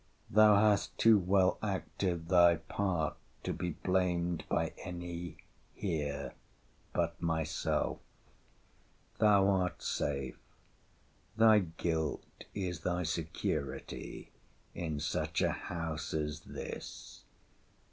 —thou has too well acted thy part to be blamed by any here but myself—thou art safe: thy guilt is thy security in such a house as this!